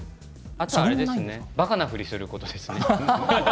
あとばかなふりをすることですね。